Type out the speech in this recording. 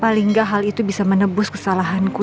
paling gak hal itu bisa menebus kesalahanku